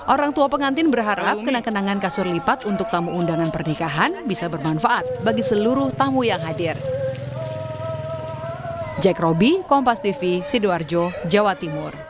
orang tua pengantin berharap kenang kenangan kasur lipat untuk tamu undangan pernikahan bisa bermanfaat bagi seluruh tamu yang hadir